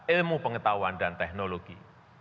ilmu pengetahuan dan teknologi